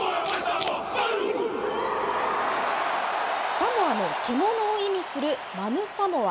サモアの獣を意味するマヌ・サモア。